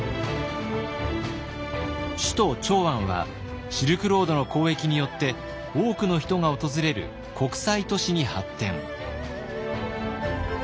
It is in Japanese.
首都長安はシルクロードの交易によって多くの人が訪れる国際都市に発展。